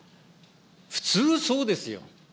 普通そうですよ。